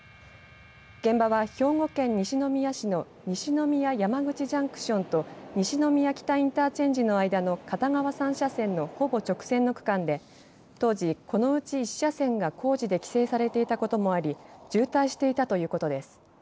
現場は兵庫県西宮市の西宮山口ジャンクションと西宮北インターチェンジの間の片側３車線のほぼ直線の区間で当時このうち１車線が工事で規制されていたこともあり渋滞していたということです。